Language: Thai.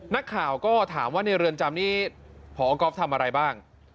นักข่าวก็ถามว่าในเรือนจำนี้พอก๊อฟทำอะไรบ้าง